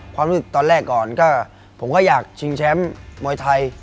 ความรู้สึกตอนแรกก่อนก็ผมก็อยากชิงแชมป์มวยไทย